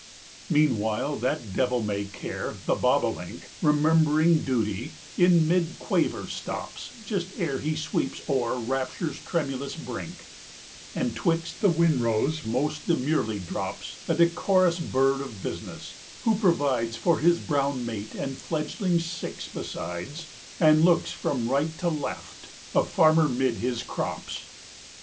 Meanwhile that devil may care, the bobolink, Remembering duty, in mid quaver stops Just ere he sweeps o'er rapture's tremulous brink, And 'twixt the winrows most demurely drops, 130 A decorous bird of business, who provides For his brown mate and fledglings six besides, And looks from right to left, a farmer 'mid his crops.